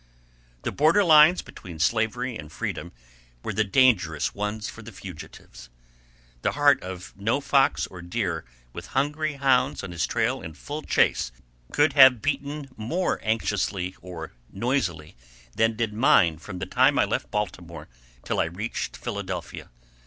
The border lines between slavery and freedom were the dangerous ones for the fugitives. The heart of no fox or deer, with hungry hounds on his trail in full chase, could have beaten more anxiously or noisily than did mine from the time I left Baltimore till I reached Philadelphia.